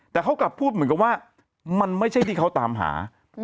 แต่เขากลับพูดเหมือนกับว่ามันไม่ใช่ที่เขาตามหา